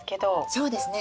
そうですね。